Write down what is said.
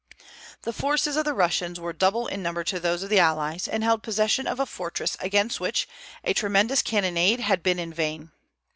The forces of the Russians were double in number to those of the allies, and held possession of a fortress against which a tremendous cannonade had been in vain.